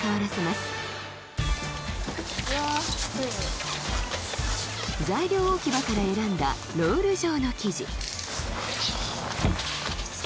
ついに材料置き場から選んだロール状の生地